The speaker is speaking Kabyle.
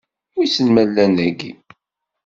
Wissen ma llan dagi?